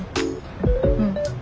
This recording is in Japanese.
うん。